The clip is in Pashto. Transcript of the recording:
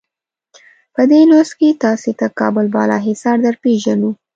په دې لوست کې تاسې ته کابل بالا حصار درپېژنو.